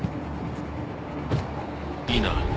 いいな？